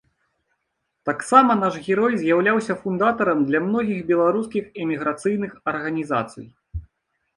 Таксама наш герой з'яўляўся фундатарам для многіх беларускіх эміграцыйных арганізацый.